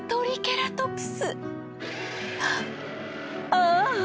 ああ！